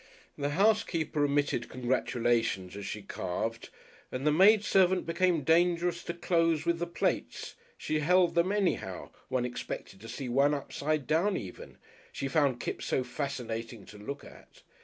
The housekeeper emitted congratulations as she carved and the maidservant became dangerous to clothes with the plates she held them anyhow, one expected to see one upside down even she found Kipps so fascinating to look at.